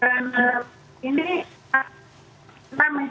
orang orang itu pemberhentian